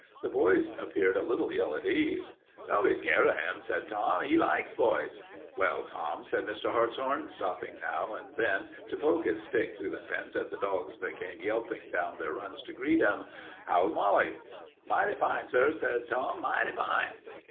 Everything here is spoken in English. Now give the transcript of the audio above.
The boys appeared a little ill at ease. "Don't be scared of 'im," said Tom. "'E likes boys." "Well, Tom," said Mr. Hartshorn, stopping now and then to poke his stick through the fence at the dogs that came yelping down their runs to greet him, "how's Molly?" "Mighty fine, sir," said Tom; "mighty fine."